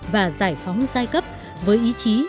và giải phóng giai cấp với ý chí